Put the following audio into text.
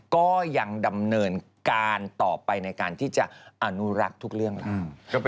ก็ยังดำเนินการต่อไปในการที่จะอนุรักษ์ทุกเรื่องราว